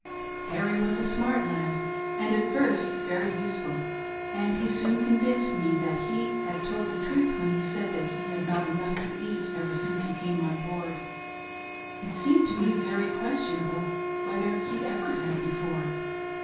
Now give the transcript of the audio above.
Harry was a smart lad and at first very useful, and he soon convinced me that he had told the truth when he said that he had not had enough to eat ever since he came on board — it seemed to me very questionable whether he ever had before.